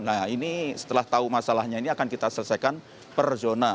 nah ini setelah tahu masalahnya ini akan kita selesaikan per zona